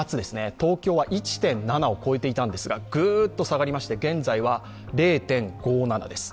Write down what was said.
東京は１．７を超えていたんですがぐっと下がりまして、現在は０．５７です。